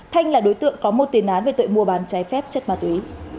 thanh là đối tượng có một tiền án về tội mua bán trái phép chất ma túy